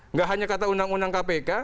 nggak hanya kata undang undang kpk